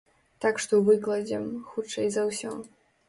Так што выкладзем, хутчэй за ўсё.